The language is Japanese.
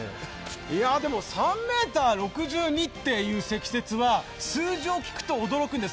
３ｍ６２っていう積雪は数字を聞くと驚くんです。